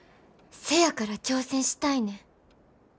せやから挑戦したいねん。